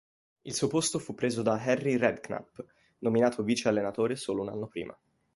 Il suo posto fu preso da Harry Redknapp, nominato vice-allenatore solo un anno prima.